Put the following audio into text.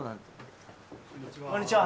こんにちは